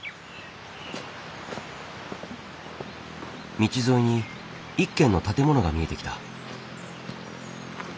道沿いに一軒の建物が見えてきた。